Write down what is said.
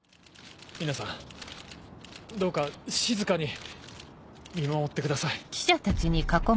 皆さんどうか静かに見守ってください。